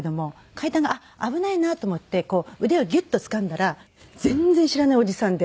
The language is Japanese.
階段があっ危ないなと思ってこう腕をギュッと掴んだら全然知らないおじさんで。